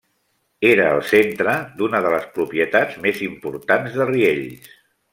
Era el centre d’una de les propietats més importants de Riells.